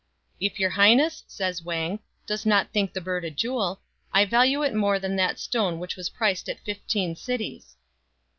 " If your highness," said Wang, " does not think the bird a jewel, I value it more than that stone which was priced at fifteen cities."